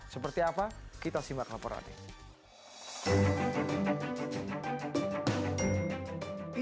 seperti apa kita simak laporan ini